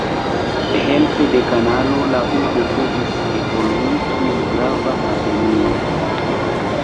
Helpe de kanalo la urbo povis evolui kiel grava havenurbo.